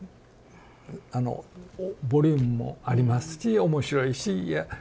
あのボリュームもありますし面白いし。